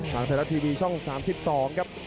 ทางไทยรัฐทีวีช่อง๓๒ครับ